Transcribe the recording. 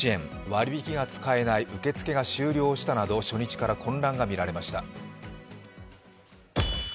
割引きが使えない、受け付けが終了したなど初日から混乱が見られました。